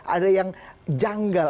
ada yang janggal